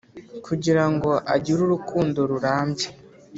kugira ngo agire urukundo rurambye.